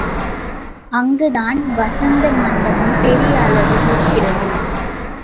அங்குதான் வசந்த மண்டபம், பெரிய அளவில் இருக்கிறது.